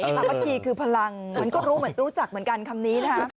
เมื่อกี้คือพลังมันก็รู้จักเหมือนกันคำนี้นะ